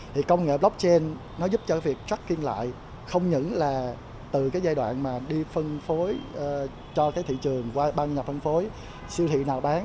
thì công nghệ blockchain nó giúp cho việc check in lại không những là từ cái giai đoạn mà đi phân phối cho cái thị trường qua ban nhà phân phối siêu thị nào bán